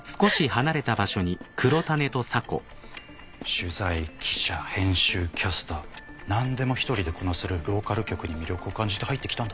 取材記者編集キャスター何でも一人でこなせるローカル局に魅力を感じて入ってきたんだって。